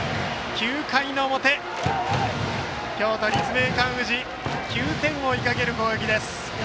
９回の表、京都・立命館宇治９点を追いかける攻撃です。